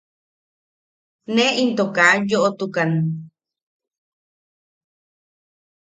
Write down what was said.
Ne into ka yoʼotukan.